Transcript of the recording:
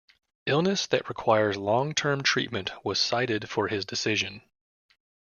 Illness that requires long-term treatment was cited for his decision.